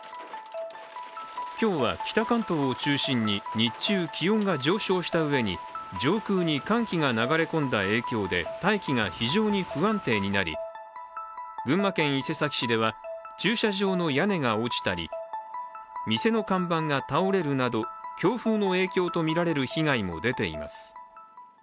今日は北関東を中心に、日中気温が上昇したうえに上空に寒気が流れ込んだ影響で大気が非常に不安定になり、群馬県伊勢崎市では駐車場の屋根が落ちたり店の看板が倒れるなど、強風の影響とみられる被害も出ています。